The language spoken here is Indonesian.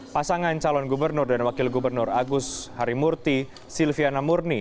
pasangan calon gubernur dan wakil gubernur agus harimurti silviana murni